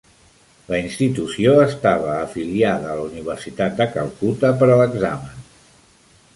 La institució estava afiliada a la Universitat de Calcuta per a l'examen.